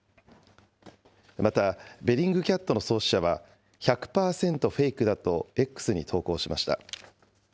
また、ベリングキャットの創始者は、１００％フェイクだとＸに投稿しました。